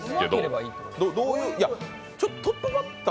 トップバッター。